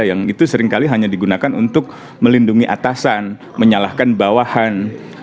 yang itu seringkali hanya digunakan untuk melindungi atasan menyalahkan bawahan